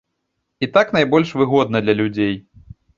І так найбольш выгодна для людзей.